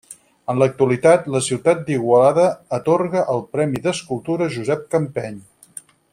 En l'actualitat la ciutat d'Igualada atorga el Premi d'Escultura Josep Campeny.